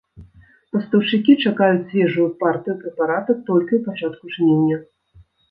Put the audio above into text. Пастаўшчыкі чакаюць свежую партыю прэпарата толькі ў пачатку жніўня.